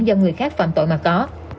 do người khác phạm tội mà có